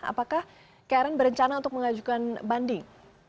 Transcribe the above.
apakah karen berencana untuk mengajukan banding